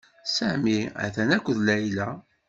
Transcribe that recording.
Sami atan akked Layla.